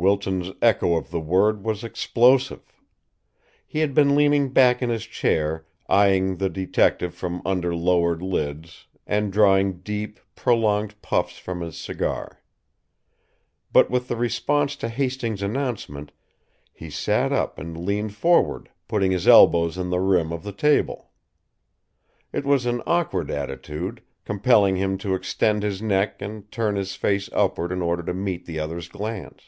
Wilton's echo of the word was explosive. He had been leaning back in his chair, eying the detective from under lowered lids, and drawing deep, prolonged puffs from his cigar. But, with the response to Hastings' announcement, he sat up and leaned forward, putting his elbows on the rim of the table. It was an awkward attitude, compelling him to extend his neck and turn his face upward in order to meet the other's glance.